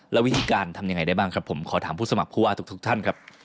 แล้ววิธีการทำยังไงได้บ้างครับผมขอถามผู้สมัครผู้ว่าทุกท่านครับ